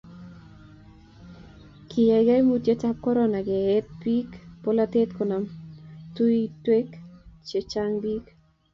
kiyai kaimutietab korona keete biikab bolatet konam tuyiotinwek che chang' biik